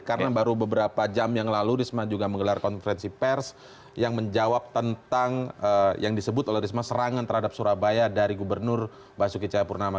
karena baru beberapa jam yang lalu risma juga menggelar konferensi pers yang menjawab tentang yang disebut oleh risma serangan terhadap surabaya dari gubernur basuki cahapurnama